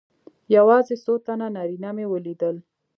یوازې څو تنه نارینه مې ولیدل.